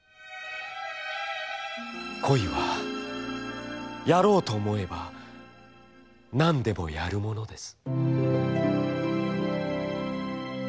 「恋はやろうと思えばなんでもやるものです」。